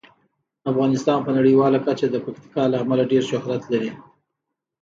افغانستان په نړیواله کچه د پکتیکا له امله ډیر شهرت لري.